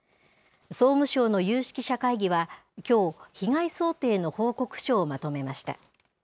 総務省の有識者会議は、きょう被害想定の報告書をまとめました。